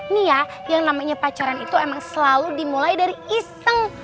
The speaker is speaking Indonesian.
nih ya yang namanya pacaran itu emang selalu dimulai dari iseng